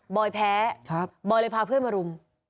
อยแพ้บอยเลยพาเพื่อนมารุม